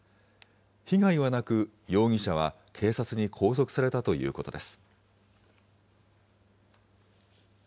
被害はなく、容疑者は警察に拘束されたということです。